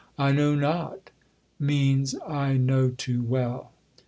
'I know not,' means, 'I know too well.'